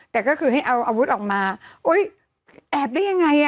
แต่ก็คือให้เอาอาวุธออกมาโอ๊ยแอบได้ยังไง